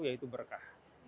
ya itu berkah